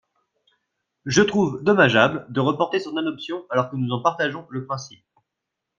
Je trouve dommageable de reporter son adoption alors que nous en partageons le principe.